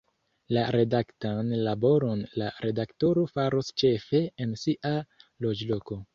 La redaktan laboron la redaktoro faros ĉefe en sia loĝloko.